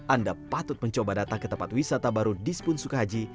anda patut mencoba datang ke tempat wisata baru di spun sukahaji